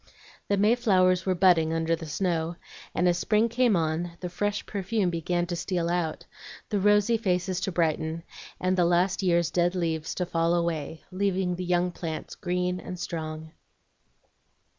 The mayflowers were budding under the snow, and as spring came on the fresh perfume began to steal out, the rosy faces to brighten, and the last year's dead leaves to fall away, leaving the young plants green and strong.